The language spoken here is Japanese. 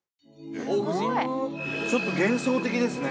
ちょっと幻想的ですね。